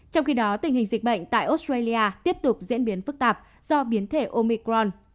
trong khi đó tình hình dịch bệnh tại australia tiếp tục diễn biến phức tạp do biến thể omicron